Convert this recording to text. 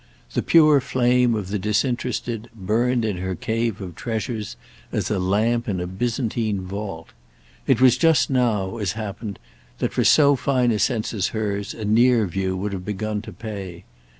The pure flame of the disinterested burned in her cave of treasures as a lamp in a Byzantine vault. It was just now, as happened, that for so fine a sense as hers a near view would have begun to pay.